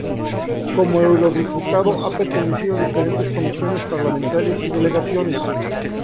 Como eurodiputado ha pertenecido a diferentes comisiones parlamentarias y delegaciones.